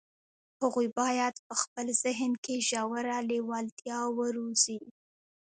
هغوی بايد په خپل ذهن کې ژوره لېوالتیا وروزي.